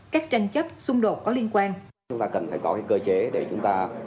các tranh chấp xung đột có liên quan